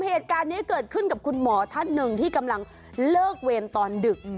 เหตุการณ์นี้เกิดขึ้นกับคุณหมอท่านหนึ่งที่กำลังเลิกเวรตอนดึก